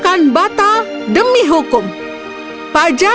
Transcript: kamu harus melihat perasaan kepala kapalah aku